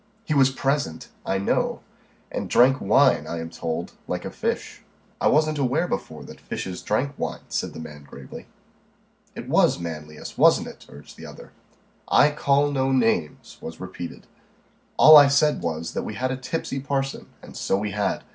"He was present, I know; and drank wine, I am told, like a fish." "I wasn't aware before that fishes drank wine," said the man gravely. "It was Manlius, wasn't it?" urged the other. "I call no names," was repeated. "All I said was, that we had a tipsy parson and so we had.